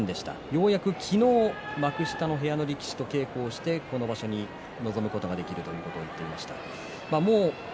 ようやく昨日、幕下の部屋の力士と稽古をしてこの場所に臨むことができると言っていました。